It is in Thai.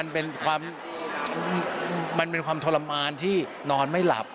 อันนี้มันเป็นความทรมานที่นอนไม่หลับ